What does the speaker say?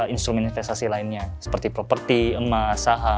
instrumen investasi lainnya seperti properti emas saham